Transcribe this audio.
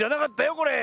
これ。